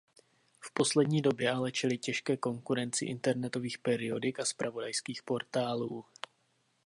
V poslední době ale čelí těžké konkurenci internetových periodik a zpravodajských portálů.